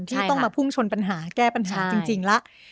ที่ต้องมาพุ่งชนปัญหาแก้ปัญหาจริงแล้ว